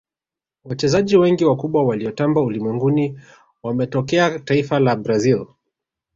wachezaji wengi wakubwa waliotamba ulimwenguni wametokea taifa la brazil